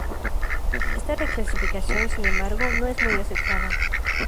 Esta reclasificación, sin embargo, no es muy aceptada.